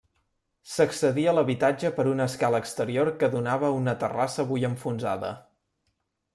S'accedia a l'habitatge per una escala exterior que donava a una terrassa avui enfonsada.